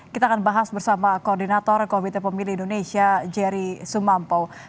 kita akan bahas bersama koordinator komite pemilih indonesia jerry sumampo